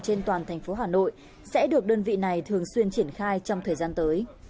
trên toàn thành phố hà nội sẽ được đơn vị này thường xuyên triển khai trong thời gian tới